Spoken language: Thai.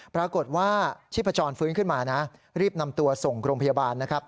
ปรากฏว่าชีพจรฟื้นขึ้นมานะรีบนำตัวส่งโรงพยาบาลนะครับ